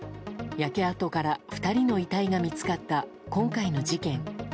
焼け跡から２人の遺体が見つかった今回の事件。